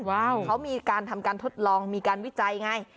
ว้าวเขามีการทำการทดลองมีการวิจัยไง